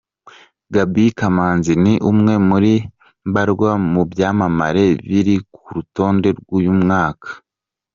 Gaby Kamanzi ni umwe muri mbarwa mu byamamare biri ku rutonde rw'uyu mwaka.